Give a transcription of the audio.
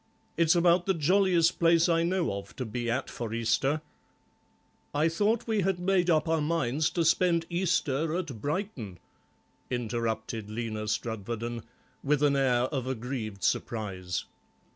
It's about the jolliest place I know of to be at for Easter—" "I thought we had made up our minds to spend Easter at Brighton," interrupted Lena Strudwarden, with an air of aggrieved surprise.